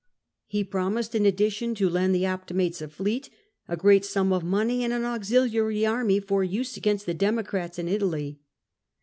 He promised in addition to lend the Optimates a fleet, a great sum of money, and an auxiliary army for use against the Democrats in Italy.